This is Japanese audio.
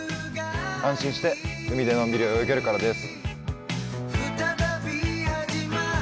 安心して海でのんびり泳げるからです。